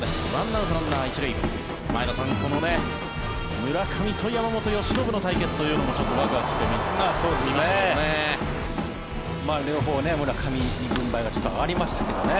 １アウト、ランナー１塁前田さん、この村上と山本由伸の対決というのもちょっとワクワクして見ましたけどね。